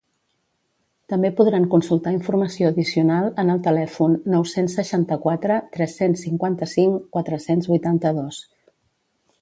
També podran consultar informació addicional en el telèfon nou-cents seixanta-quatre tres-cents cinquanta-cinc quatre-cents vuitanta-dos.